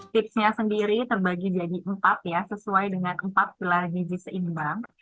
tipsnya sendiri terbagi jadi empat ya sesuai dengan empat pilar gizi seimbang